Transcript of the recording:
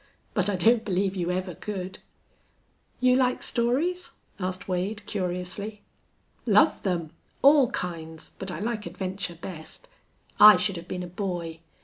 But I don't believe you ever could." "You like stories?" asked Wade, curiously. "Love them. All kinds, but I like adventure best. I should have been a boy.